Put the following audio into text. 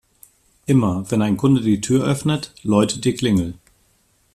Immer, wenn ein Kunde die Tür öffnet, läutet die Klingel.